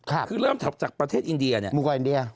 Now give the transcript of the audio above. คือเริ่มจากประเทศอินเดีย